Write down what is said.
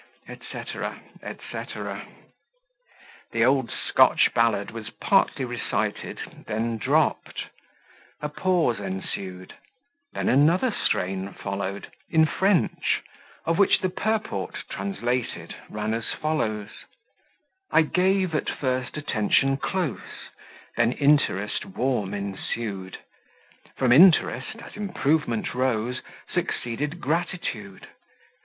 '" etc. etc. The old Scotch ballad was partly recited, then dropt; a pause ensued; then another strain followed, in French, of which the purport, translated, ran as follows: I gave, at first, attention close; Then interest warm ensued; From interest, as improvement rose, Succeeded gratitude.